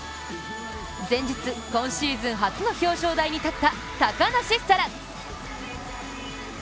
前日、今シーズン初の表彰台に立った高梨沙羅。